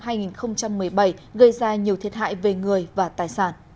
và có thể gây ra nhiều thiệt hại về người